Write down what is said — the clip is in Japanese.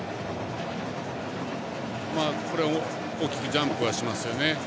大きくジャンプはしますよね。